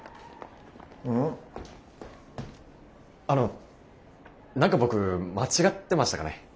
あの何か僕間違ってましたかね？